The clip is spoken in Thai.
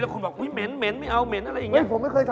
คุณบอกอุ๊เหม็นไม่เอาเหม็นอะไรอย่างนี้